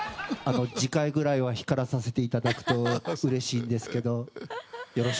次回ぐらいは光らさせていただくとうれしいんですけど。